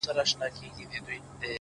اخلاق د انسان اصلي شتمني ده!